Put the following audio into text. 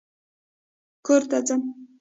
کور ته ځم